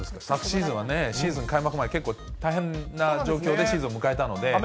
昨シーズンはシーズン開幕まで結構大変な状況でシーズン迎えたので。